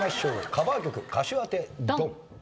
カバー曲歌手当てドン！